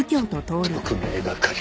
特命係。